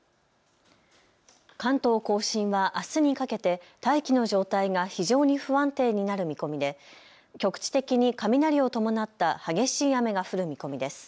関東甲信はあすにかけて大気の状態が非常に不安定になる見込みで局地的に雷を伴った激しい雨が降る見込みです。